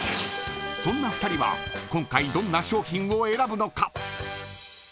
そんな２人は今回どんな商品を選ぶのか。